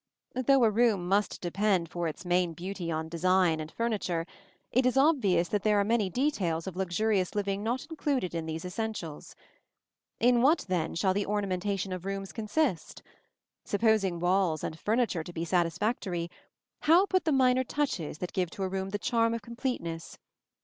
Though a room must depend for its main beauty on design and furniture, it is obvious that there are many details of luxurious living not included in these essentials. In what, then, shall the ornamentation of rooms consist? Supposing walls and furniture to be satisfactory, how put the minor touches that give to a room the charm of completeness?